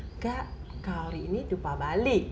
enggak kali ini dupa bali